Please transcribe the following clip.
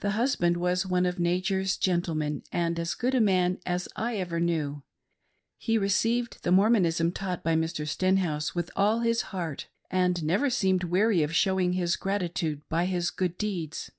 The husband was one of nature's gentlemen, and as good a man as I ever knew. He received the Mormonism taught by Mr. Stenhouse with all his heart, and never seemed weary of showing his gratitude by his good deeds.